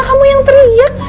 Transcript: kamu yang teriak